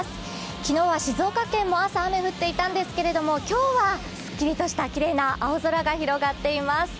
昨日は静岡県も朝、雨降っていたんですけれども、今日はすっきりとしたきれいな青空が広がっています